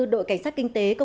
đội cảnh sát kinh tế